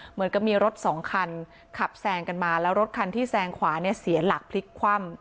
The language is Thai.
เหมือนกับมีรถสองคันขับแซงกันมาแล้วรถคันที่แซงขวาเนี่ยเสียหลักพลิกคว่ำ